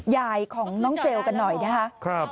ยายของน้องเจลกันหน่อยนะครับ